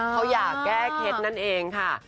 เขาอยากแก้เคล็ดนั่นเองค่ะ